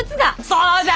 そうじゃ！